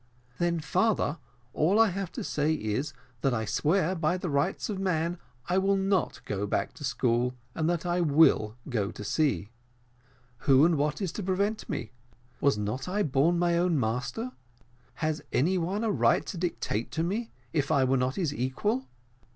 "Then, father, all I have to say is, that I swear by the rights of man I will not go back to school, and that I will go to sea. Who and what is to prevent me? Was not I born my own master? has any one a right to dictate to me as if I were not his equal?